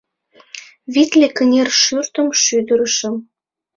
Витле кынер шӱртым шӱдырышым